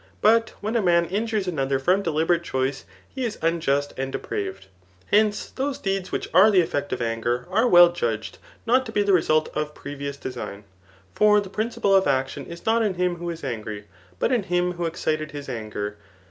But when a man injures another from deliberate choice, he is unjust and depraved* Hence, those deeds which are the eflfect of anger are well judged not to be the result of previous design. For the principle of action is not in him who is angry, but in him who excited his anger.